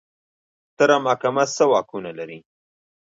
ستره محکمه څه واکونه لري؟